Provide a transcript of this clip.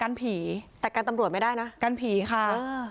การผิแต่การทำลวจไม่ได้นะการผิค่ะเออ